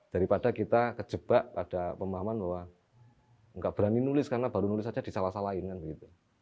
daripada kita kejebak pada pemahaman bahwa enggak berani nulis karena baru nulis saja disalasalain kan begitu